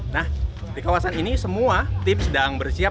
nah di kawasan ini semua tim sedang bersiap